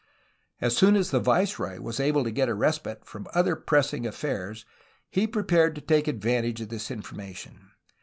As soon as the viceroy was able to get a respite from other pressing affairs he prepared to take advantage of this information.